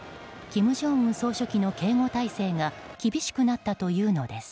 金正恩総書記の警護態勢が厳しくなったというのです。